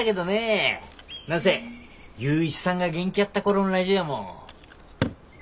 何せ雄一さんが元気やった頃んラジオやもん。